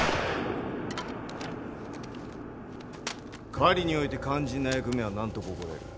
狩りにおいて肝心な役目は何と心得る？